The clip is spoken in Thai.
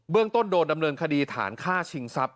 ต้นโดนดำเนินคดีฐานฆ่าชิงทรัพย